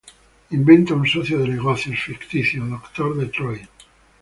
Inventa un socio de negocios ficticios, Doctor Detroit.